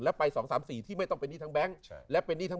แล้วไปสองสามสี่ที่ไม่ต้องเป็นหนี้ทั้งแบงค์และเป็นหนี้ทั้ง